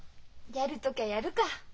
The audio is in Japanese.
「やる時ゃやる」か。